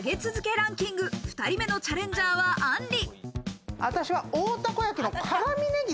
ランキング、２人目のチャレンジャーは、あんり。